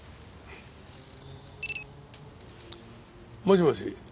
もしもし。